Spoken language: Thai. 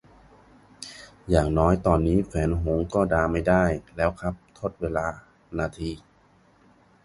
อย่างน้อยตอนนี้แฟนหงส์ก็ด่าไม่ได้แล้วครับ ทดเวลา นาที